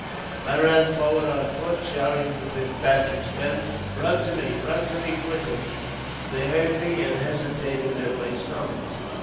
I ran forward on foot, shouting to Fitzpatrick's men, " Eun to me ! Run to me quickly !" They heard me, and hesitated at my summons.